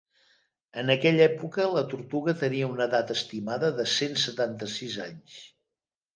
En aquella època la tortuga tenia una edat estimada de cent setanta-sis anys.